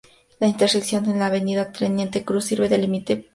La intersección con la Avenida Teniente Cruz sirve de límite con Pudahuel.